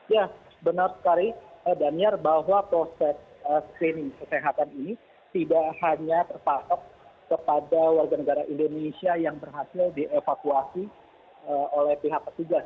ya benar sekali daniar bahwa proses screening kesehatan ini tidak hanya terpatok kepada warga negara indonesia yang berhasil dievakuasi oleh pihak petugas